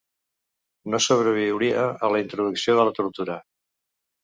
No sobreviuria a la introducció de la tortura.